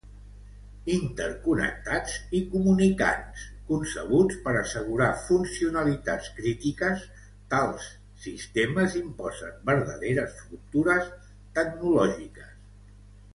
Interconnectats i comunicants, concebuts per assegurar funcionalitats crítiques, tals sistemes imposen verdaderes ruptures tecnològiques.